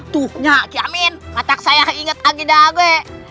tuh nyak kiamin matak saya inget agi dage